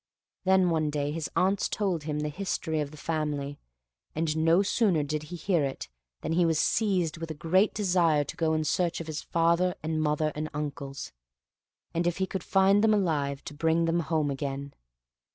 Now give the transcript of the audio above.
Then, one day, his aunts told him the history of the family; and no sooner did he hear it, than be was seized with a great desire to go in search of his father and mother and uncles, and if he could find them alive to bring them home again.